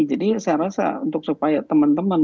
jadi saya rasa untuk supaya teman teman